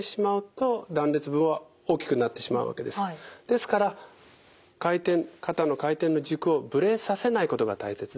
ですから肩の回転の軸をぶれさせないことが大切です。